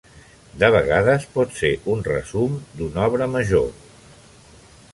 De vegades pot ser un resum d'una obra major.